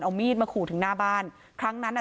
เอามีดมาขู่ถึงหน้าบ้านครั้งนั้นอ่ะ